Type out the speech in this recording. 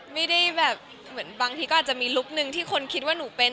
ไม่ได้แบบเหมือนบางทีก็อาจจะมีลุคนึงที่คนคิดว่าหนูเป็น